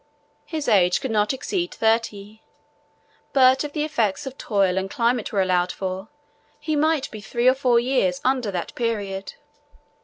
His age could not exceed thirty, but if the effects of toil and climate were allowed for, might be three or four years under that period.